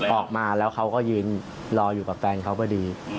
ออกมาแล้วเขาก็ยืนรออยู่กับแฟนเขาพอดี